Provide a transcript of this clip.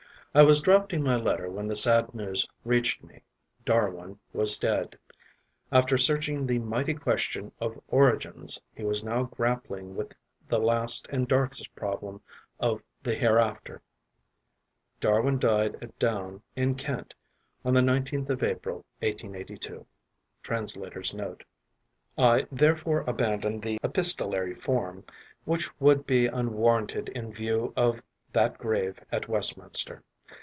I was drafting my letter when the sad news reached me: Darwin was dead; after searching the mighty question of origins, he was now grappling with the last and darkest problem of the hereafter. (Darwin died at Down, in Kent, on the 19th of April 1882. Translator's Note.) I therefore abandon the epistolary form, which would be unwarranted in view of that grave at Westminster.